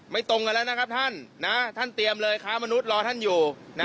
ตรงกันแล้วนะครับท่านท่านเตรียมเลยค้ามนุษย์รอท่านอยู่